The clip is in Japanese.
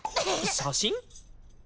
写真？